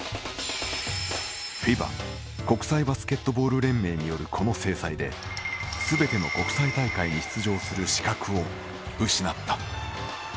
ＦＩＢＡ・国際バスケット連盟によるこの制裁で全ての国際大会に出場する資格を失った。